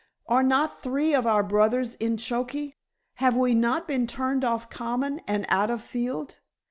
Are not three of our brothers in choky? have we not been turned off common and out of field?